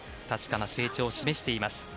確かな成長を示しています。